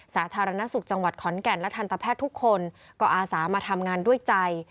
สาธารณสุขจังหวัดขอนแก่นและทันตแพทย์ทุกคนก็อาสามาทำงานด้วยใจ